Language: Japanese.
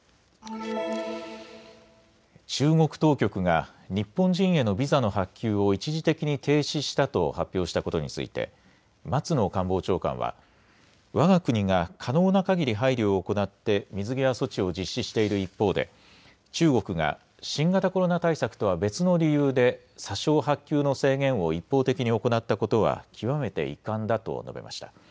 中国当局が日本人へのビザの発給を一時的に停止したと発表したことについて松野官房長官はわが国が可能なかぎり配慮を行って水際措置を実施している一方で、中国が新型コロナ対策とは別の理由で査証発給の制限を一方的に行ったことは極めて遺憾だと述べました。